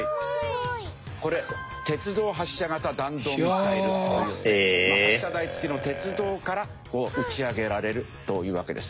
これ鉄道発車型弾道ミサイルというね発射台付きの鉄道から打ち上げられるというわけです。